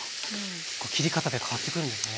切り方で変わってくるんですね。